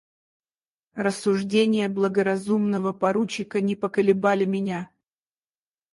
Рассуждения благоразумного поручика не поколебали меня.